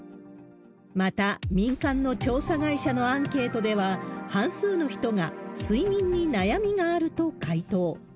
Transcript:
また、民間の調査会社のアンケートでは、半数の人が、睡眠に悩みがあると回答。